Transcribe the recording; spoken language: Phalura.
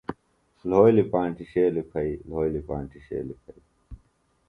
لھولیۡ پانٹیۡ ݜیلیۡ پھئیۡ لھولیۡ پانٹیۡ ݜیلیۡ پھئیۡ۔